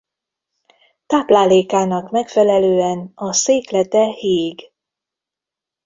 Táplálékának megfelelően a széklete híg.